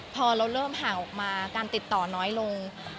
พอเราเริ่มห่างออกมาการติดต่อน้อยลง